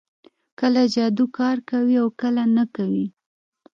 کله جادو کار کوي او کله نه کوي